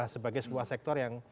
sebagai sebuah sektor yang